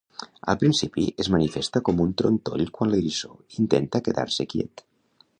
Al principi es manifesta com un trontoll quan l'eriçó intenta quedar-se quiet.